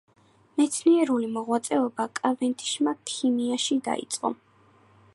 მეცნიერული მოღვაწეობა კავენდიშმა ქიმიაში დაიწყო.